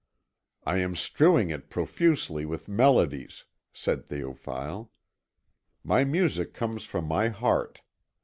"I am strewing it profusely with melodies," said Théophile; "my music comes from my heart.